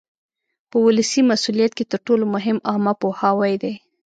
په ولسي مسؤلیت کې تر ټولو مهم عامه پوهاوی دی.